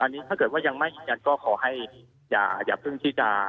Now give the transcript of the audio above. อันนี้ถ้าเกิดว่ายังไม่ยืนยันก็ขอให้อย่าเพิ่งที่จะ